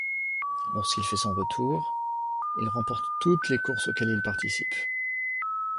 Lorsqu'il fait son retour, il remporte toutes les courses auxquelles il participe.